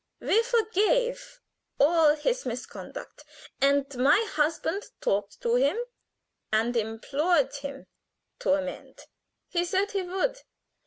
We forgave all his misconduct, and my husband talked to him and implored him to amend. He said he would.